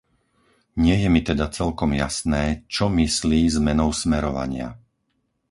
Nie je mi teda celkom jasné, čo myslí zmenou smerovania.